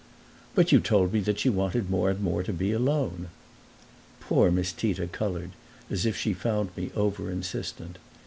"But you told me that she wanted more and more to be alone." Poor Miss Tita colored, as if she found me over insistent.